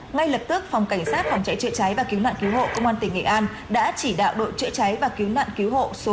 ngay lập tức phòng cảnh sát phòng trái trợ trái và cứu nạn cứu hộ công an tỉnh nghệ an đã chỉ đạo đội trợ trái và cứu nạn cứu hộ số một